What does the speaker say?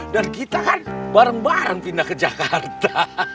dan kita kan bareng bareng pindah ke jakarta